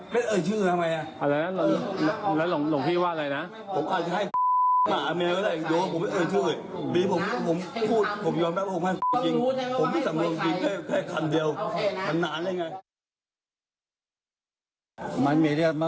เป็นอย่างหันเบื้อ